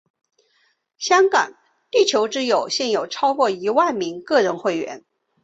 香港地球之友现有超过一万名个人会员。